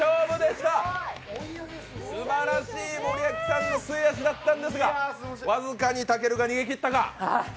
すばらしい森脇さんの末足だったんですが、僅かにたけるが逃げ切ったか。